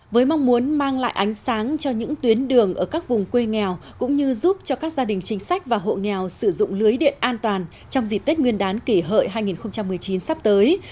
với mong muốn mang lại ánh sáng cho những tuyến đường ở các vùng quê nghèo cũng như giúp cho các gia đình chính sách và hộ nghèo sử dụng lưới điện an toàn trong dịp tết nguyên đán kỷ hợi hai nghìn một mươi chín sắp tới